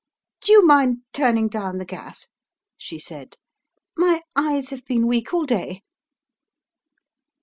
"Do you mind turning down the gas?" she said. "My eyes have been weak all day."